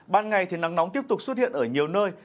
ban ngày thì nắng nóng tiếp tục xuất hiện ở nhiều nơi